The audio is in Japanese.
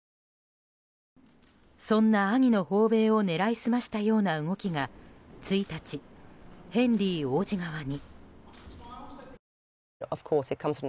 そんな兄の訪米を狙い澄ましたような動きが１日、ヘンリー王子側に。